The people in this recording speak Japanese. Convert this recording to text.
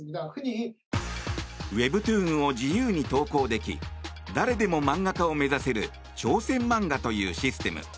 ウェブトゥーンを自由に投稿でき誰でも漫画家を目指せる挑戦漫画というシステム。